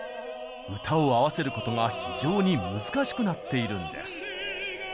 歌を合わせることが非常に難しくなっているんです。